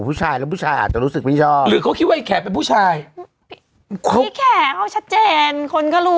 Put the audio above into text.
เพราะผู้หญิงคือใครนี่แหละนี่แหละหนูอยากรู้